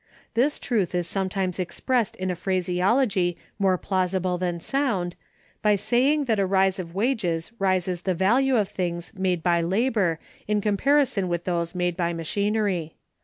This truth is sometimes expressed in a phraseology more plausible than sound, by saying that a rise of wages raises the value of things made by labor in comparison with those made by machinery.